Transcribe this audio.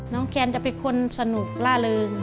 แคนจะเป็นคนสนุกล่าเริง